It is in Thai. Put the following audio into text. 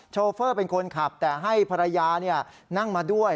โชเฟอร์เป็นคนขับแต่ให้ภรรยานั่งมาด้วย